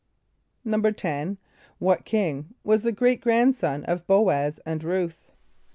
= =10.= What king was the great grandson of B[=o]´[)a]z and R[u:]th?